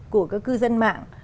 của các cư dân mạng